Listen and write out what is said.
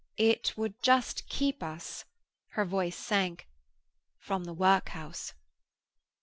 It would just keep us"—her voice sank—"from the workhouse."